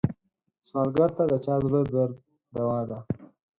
سوالګر ته د چا زړه درد دوا ده